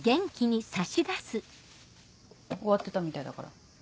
終わってたみたいだから。